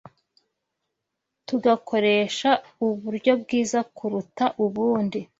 tugakoresha uburyo bwiza kuruta ubundi